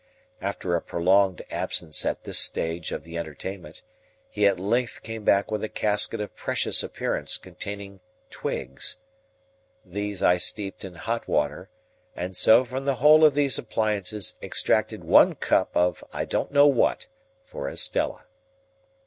After a prolonged absence at this stage of the entertainment, he at length came back with a casket of precious appearance containing twigs. These I steeped in hot water, and so from the whole of these appliances extracted one cup of I don't know what for Estella.